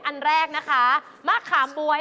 อันแรกนะคะมะขามบ๊วย